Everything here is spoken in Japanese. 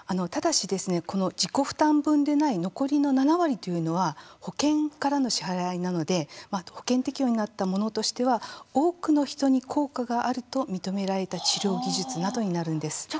ただし、自己負担分でない残りの７割というのは保険からの支払いなので保険適用になったものとしては多くの人に効果があると認められた治療技術などになるんです。